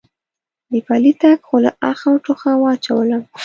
دې پلی تګ خو له آخه او ټوخه واچولم.